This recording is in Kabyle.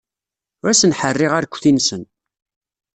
Ur asen-ḥerriɣ arekti-nsen.